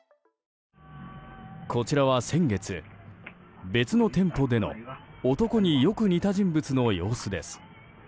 こちらは先月、別の店舗での男によく似た人物の様子です。